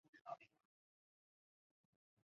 之后转移至东京担任本土防空任务。